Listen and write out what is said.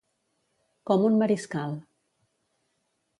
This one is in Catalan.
Com un mariscal.